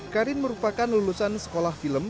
karin merupakan lulusan sekolah film